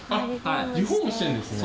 リフォームしてるんですね。